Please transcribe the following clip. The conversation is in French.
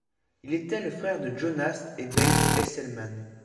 Il était le frère de Jonas et Bengt Hesselman.